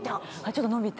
ちょっと伸びて。